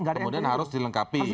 kemudian harus dilengkapi